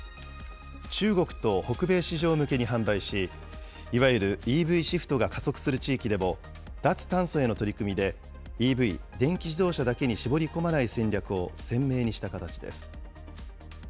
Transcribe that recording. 中国と北米市場向けに販売し、いわゆるＥＶシフトが加速する地域でも、脱炭素への取り組みで、ＥＶ・電気自動車だけに絞り込まない戦略を鮮明にした形です。